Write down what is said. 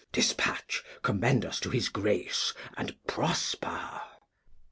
Dispatch ; commend us to his Grace, and prosper.